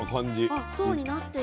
あっ層になってる。